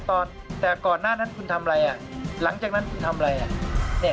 ตอนแต่ก่อนหน้านั้นคุณทำอะไรอ่ะหลังจากนั้นคุณทำอะไรอ่ะ